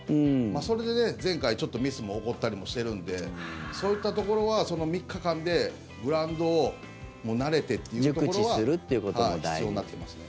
それで前回、ちょっとミスも起こったりもしてるんでそういったところは、３日間でグラウンドを慣れてっていうところは必要になってきますね。